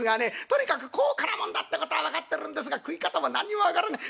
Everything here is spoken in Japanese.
とにかく高価なもんだってことは分かってるんですが食い方も何にも分からねえ。